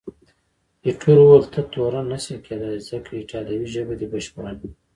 ایټور وویل، ته تورن نه شې کېدای، ځکه ایټالوي ژبه دې بشپړه نه ده.